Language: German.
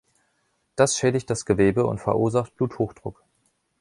Das schädigt das Gewebe und verursacht Bluthochdruck.